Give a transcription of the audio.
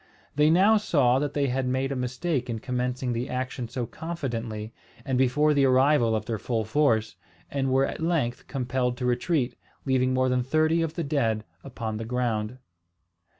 They now saw that they had made a mistake in commencing the action so confidently, and before the arrival of their full force, and were at length compelled to retreat, leaving more than thirty of the dead upon the ground.